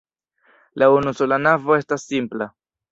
La unusola navo estas simpla.